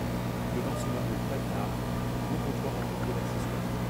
Devant ce meuble-placard, grand comptoir encombré d’accessoires.